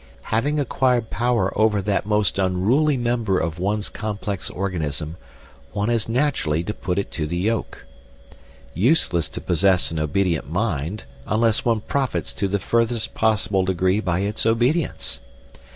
Having acquired power over that most unruly member of one's complex organism, one has naturally to put it to the yoke. Useless to possess an obedient mind unless one profits to the furthest possible degree by its obedience.